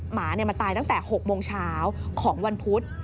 หมามาตายตั้งแต่๖โมงเช้าของวันพุธ